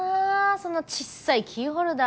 そのちっさいキーホルダー。